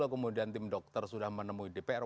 kemudian tim dokter sudah menemui dpr